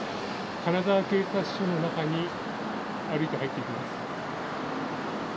金沢警察署の中に歩いて入っていきます。